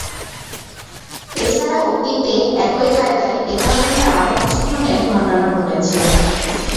এ ছাড়া অতীতে একই কায়দায় এ ধরনের আরও কিছু খুনের ঘটনা ঘটেছে।